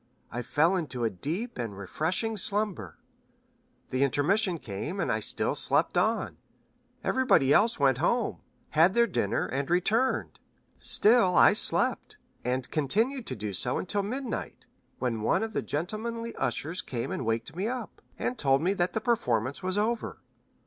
I fell into a deep and refreshing slumber. The intermission came, and still I slept on. Everybody else went home, dressed for the evening part of the performance, had their dinner, and returned. Still I slept, and continued so to do until midnight, when one of the gentlemanly ushers came and waked me up, and told me that the performance was over.